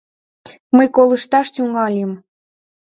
Мый колышташ тӱҥальым.